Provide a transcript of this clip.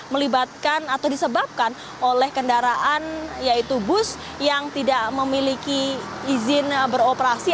melibatkan atau disebabkan oleh kendaraan yaitu bus yang tidak memiliki izin beroperasi